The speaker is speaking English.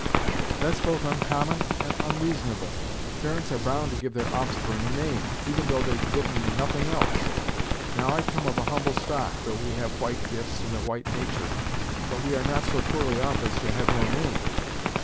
"That's both oncommon, and onreasonable. Parents are bound to give their offspring a name, even though they give 'em nothing else. Now I come of a humble stock, though we have white gifts and a white natur', but we are not so poorly off as to have no name.